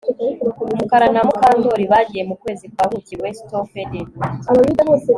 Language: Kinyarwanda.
Mukara na Mukandoli bagiye mukwezi kwa buki WestofEden